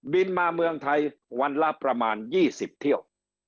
บินมาเมืองไทยวันละประมาณ๒๐เที่ยว